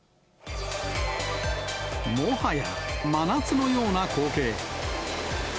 もはや真夏のような光景。